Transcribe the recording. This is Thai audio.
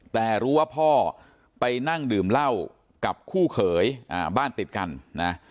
แต่รู้ว่าพ่อไปนั่งดื่มเหล้ากับคู่เขยบ้านติดกันนะ